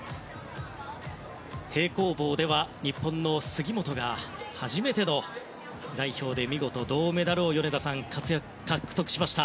平行棒では日本の杉本が初めての代表で見事銅メダルを獲得しました。